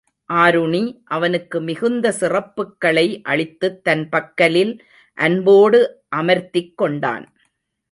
ஆருணி அவனுக்கு மிகுந்த சிறப்புக்களை அளித்துத் தன் பக்கலில் அன்போடு அமர்த்திக் கொண்டான்.